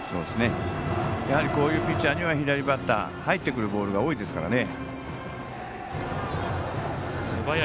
こういうピンチには左バッター入ってくるボールが多いですからね。